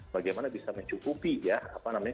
bagaimana bisa mencukupi ya apa namanya